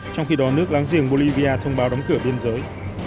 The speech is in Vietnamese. trong khi đó nước láng giềng bolivia thông báo đóng cửa biên giới